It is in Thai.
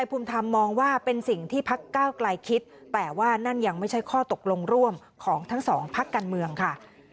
ภูมิธรรมมองว่าเป็นสิ่งที่พักก้าวไกลคิดแต่ว่านั่นยังไม่ใช่ข้อตกลงร่วมของทั้งสองพักการเมืองค่ะ